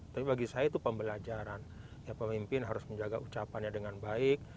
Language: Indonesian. tapi bagi saya itu pembelajaran pemimpin harus menjaga ucapannya dengan baik